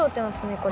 これ。